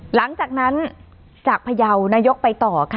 หลังจากนั้นจากพยาวนายกไปต่อค่ะ